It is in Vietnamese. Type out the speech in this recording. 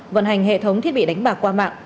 vận hành hệ thống thiết bị đánh bạc qua mạng